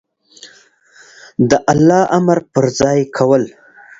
د الله امر په ځای کول